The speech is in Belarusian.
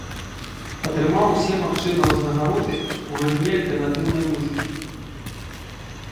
Атрымаў усе магчымыя ўзнагароды ў галіне альтэрнатыўнай музыкі.